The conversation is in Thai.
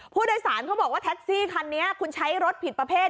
ผู้โดยสารเขาบอกว่าแท็กซี่คันนี้คุณใช้รถผิดประเภท